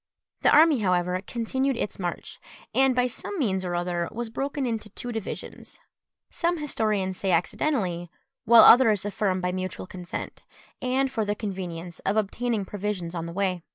The army, however, continued its march, and, by some means or other, was broken into two divisions; some historians say accidentally, while others affirm by mutual consent, and for the convenience of obtaining provisions on the way.